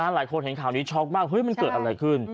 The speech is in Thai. เห็นข่าวนี้ช็อกมากมันเกิดอะไรขึ้น